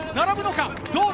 どうだ？